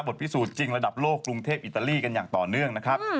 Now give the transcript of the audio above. พิสูจน์จริงระดับโลกกรุงเทพอิตาลีกันอย่างต่อเนื่องนะครับ